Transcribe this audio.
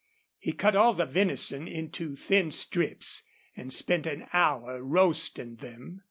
He cut all the venison into thin strips, and spent an hour roasting them.